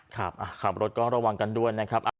ขับรถก็ระวังกันด้วยนะครับ